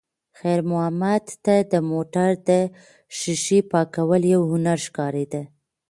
خیر محمد ته د موټر د ښیښې پاکول یو هنر ښکارېده.